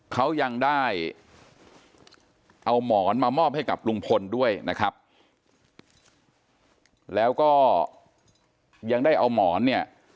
เขายังได้เอาหมอนมามอบให้กับลุงพลด้วยนะครับแล้วก็ยังได้เอาหมอนเนี่ย